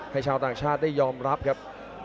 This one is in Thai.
ชาวต่างชาติได้ยอมรับครับ